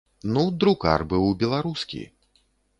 Ну, друкар быў беларускі.